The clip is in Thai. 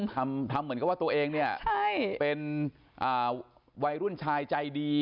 ทำเหมือนกับว่าตัวเองเนี่ยเป็นวัยรุ่นชายใจดี